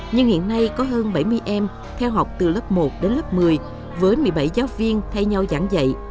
nhưng hiện nay có hơn bảy mươi em theo học từ lớp một đến lớp một mươi với một mươi bảy giáo viên thay nhau giảng dạy